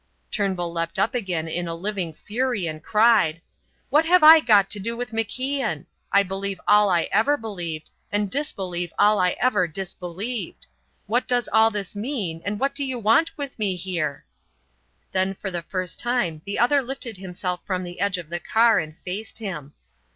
Turnbull leapt up again in a living fury and cried: "What have I got to do with MacIan? I believe all I ever believed, and disbelieve all I ever disbelieved. What does all this mean, and what do you want with me here?" Then for the first time the other lifted himself from the edge of the car and faced him.